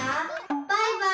バイバイ！